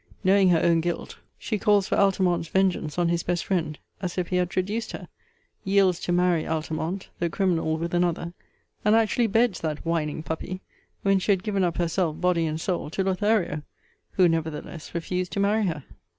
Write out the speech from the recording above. Knowing her own guilt, she calls for Altamont's vengeance on his best friend, as if he had traduced her; yields to marry Altamont, though criminal with another; and actually beds that whining puppy, when she had given up herself, body and soul, to Lothario; who, nevertheless, refused to marry her.